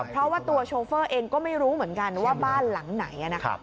เพราะว่าตัวโชเฟอร์เองก็ไม่รู้เหมือนกันว่าบ้านหลังไหนนะครับ